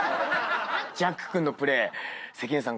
ジャック君のプレー関根さん